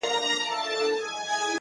مهرباني د زړونو ترمنځ پُل جوړوي.!